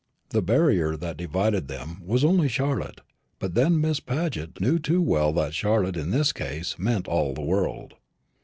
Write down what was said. The barrier that divided them was only Charlotte; but then Miss Paget knew too well that Charlotte in this case meant all the world.